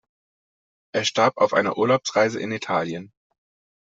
Er starb auf einer Urlaubsreise in Italien.